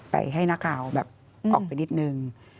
ไปให้หน้าข่าวออกไปนิดนึง